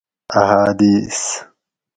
احادیث